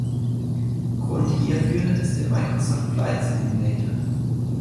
Grund hierfür ist der Microsoft Flight Simulator.